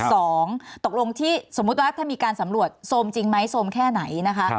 สองตกลงที่สมมุติว่าถ้ามีการสำรวจโซมจริงไหมโซมแค่ไหนนะคะ